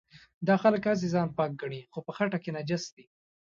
دا خلک هسې ځان پاک ګڼي خو په خټه کې نجس دي.